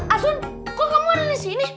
akun kok kamu ada di sini